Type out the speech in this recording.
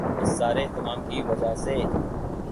اس سارے اہتمام کی وجہ سے